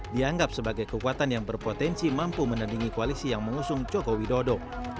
dianggap sebagai kekuatan yang berpotensi mampu menandingi koalisi yang mengusung joko widodo